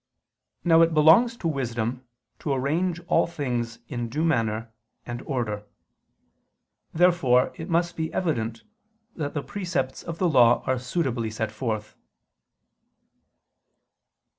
Now it belongs to wisdom to arrange all things in due manner and order. Therefore it must be evident that the precepts of the Law are suitably set forth.